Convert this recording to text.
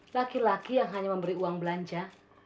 laki laki yang hanya memberi uang belanja